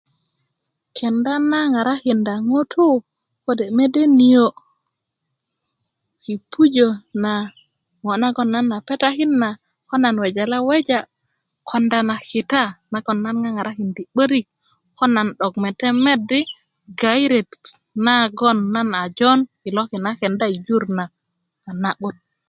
Kenda na ŋarakinda ŋutuu kode' mede niyo' yi pujö na ŋo' nagon nan a petakin na ko nan wejale weja konda na kita nagoŋ nan ŋaŋarakindi 'barik ko nan 'dok metemet di gairet nagoŋ nan a jon i loki na kenda i jur na a na'böt